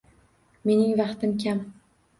Mening vaqtim kam.